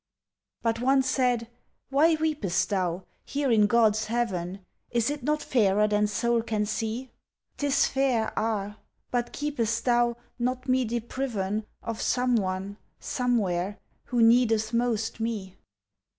But one said, "Why weepest thou Here in God's heaven Is it not fairer than soul can see?" "'Tis fair, ah! but keepest thou Not me depriven Of some one somewhere who needeth most me?